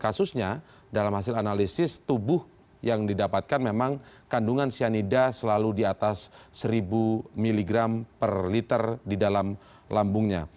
kasusnya dalam hasil analisis tubuh yang didapatkan memang kandungan cyanida selalu di atas seribu mg per liter di dalam lambungnya